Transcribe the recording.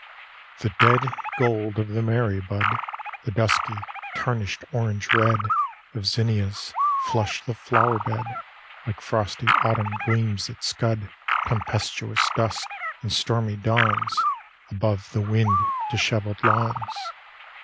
XLVIII The dead gold of the marybud, The dusky, tarnished orange red Of zinnias, flush the flower bed, Like frosty autumn gleams that scud Tempestuous dusks and stormy dawns Above the wind dishevelled lawns.